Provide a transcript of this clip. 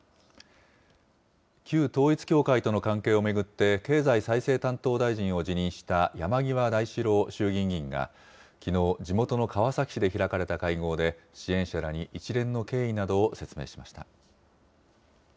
旧統一教会との関係を巡って、経済再生担当大臣を辞任した山際大志郎衆議院議員が、きのう、地元の川崎市で開かれた会合で、支援者らに一連の経緯などを説明しました。